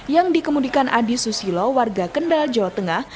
yang dikemudikan adi susilo warga kendal jawa tengah